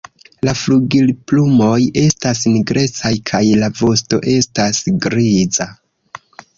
La flugilplumoj estas nigrecaj kaj la vosto estas griza.